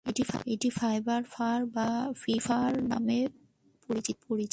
এটি ফাইভ-ফর বা ফিফার নামেও পরিচিত।